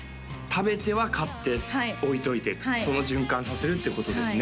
食べては買って置いといてその循環させるってことですね